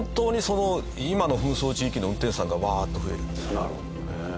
なるほどね。